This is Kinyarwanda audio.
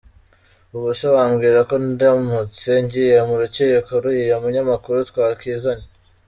Ubuse wambwira ko ndamutse ngiye mu rukiko uriya munyamakuru twakizanya ?”.